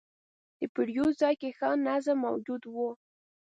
د پیرود ځای کې ښه نظم موجود و.